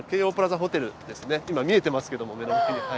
今見えてますけども上の方に。